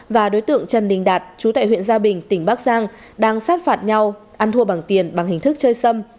và đối tượng trần đình đạt chú tại huyện gia bình tỉnh bắc giang đang sát phạt nhau ăn thua bằng tiền bằng hình thức chơi sâm